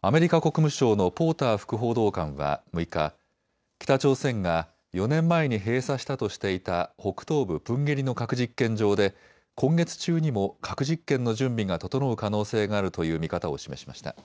アメリカ国務省のポーター副報道官は６日、北朝鮮が４年前に閉鎖したとしていた北東部プンゲリの核実験場で今月中にも核実験の準備が整う可能性があるという見方を示しました。